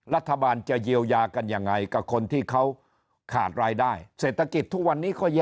รัฐบาลจะเยียวยากันยังไงกับคนที่เขาขาดรายได้